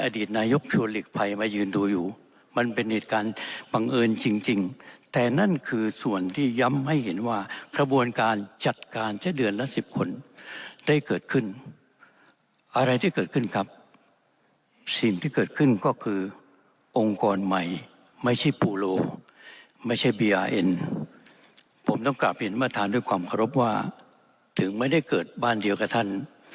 ด้วยความเคารพว่าถึงไม่ได้เกิดบ้านเดียวกับท่าน